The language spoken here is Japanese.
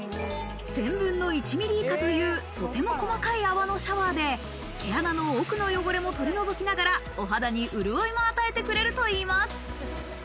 １０００分の１ミリ以下という、とても細かい泡のシャワーで毛穴の奥の汚れも取り除きながら、お肌に潤いも与えてくれるといいます。